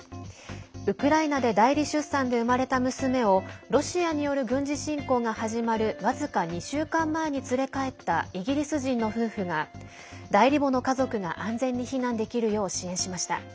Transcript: ウクライナで代理出産で生まれた娘をロシアによる軍事侵攻が始まる僅か２週間前に連れ帰ったイギリス人の夫婦が代理母の家族が安全に避難できるよう支援しました。